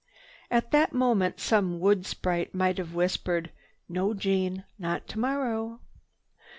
At that moment some wood sprite might have whispered, "No, Jeanne, not tomorrow."